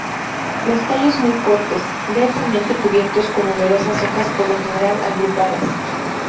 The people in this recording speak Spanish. Los tallos muy cortos, densamente cubiertos con numerosas hojas por lo general agrupadas.